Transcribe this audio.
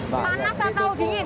panas atau dingin